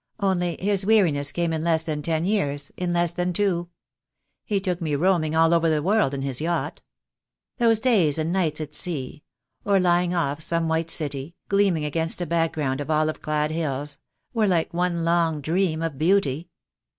Only his weariness came in less than ten years — in less than two. He took me roaming all over the world in his yacht. Those days and nights at sea — or lying off some white city, gleaming against a background of olive clad hills — were like one long dream of beauty.